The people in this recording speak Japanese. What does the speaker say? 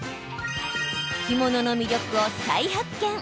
干物の魅力を再発見！